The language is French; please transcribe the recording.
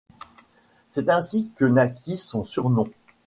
C'est ainsi que naquit son surnom.